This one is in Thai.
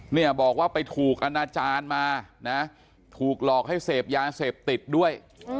เนี่ยบอกว่าไปถูกอนาจารย์มานะถูกหลอกให้เสพยาเสพติดด้วย